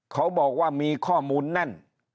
เขาบอกว่ามีข้อมูลแน่น